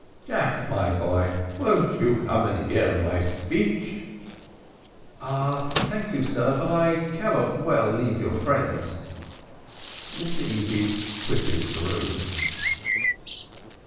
Jack, my boy, won't you come and hear my speech." "Thank you, sir, but I cannot well leave your friends." Mr Easy quitted the room.